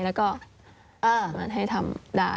แล้วก็มันให้ทำได้